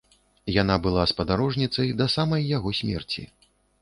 Яна была спадарожніцай да самай яго смерці.